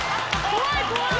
怖い怖い！